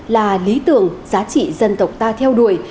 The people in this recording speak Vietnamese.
là lý tưởng giá trị dân tộc ta theo đuổi